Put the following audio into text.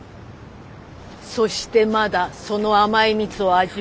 そしてまだその甘い蜜を味わっていたい。